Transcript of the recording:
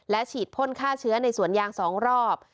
ฉีดพ่นฆ่าเชื้อในสวนยาง๒รอบ